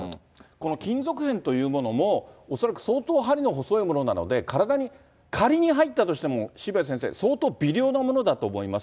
この金属片というものも、恐らく相当針の細いものなので、体に仮に入ったとしても、渋谷先生、相当微量なものだと思います。